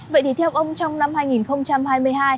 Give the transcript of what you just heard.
vậy thì theo ông trong năm hai nghìn hai mươi hai